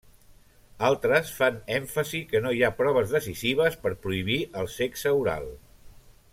Altres fan èmfasi que no hi ha proves decisives per prohibir el sexe oral.